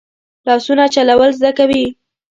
لاسونه چلول زده کوي